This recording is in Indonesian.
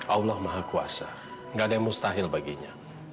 allah maha kuasa gak ada yang mustahil baginya